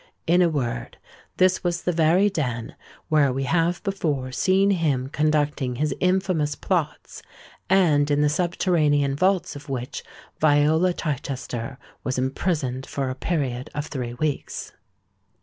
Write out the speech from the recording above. In a word, this was the very den where we have before seen him conducting his infamous plots, and in the subterranean vaults of which Viola Chichester was imprisoned for a period of three weeks.